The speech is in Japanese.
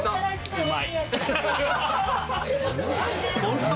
うまい。